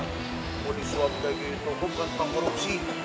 gue disuap bagi nabokan tentang korupsi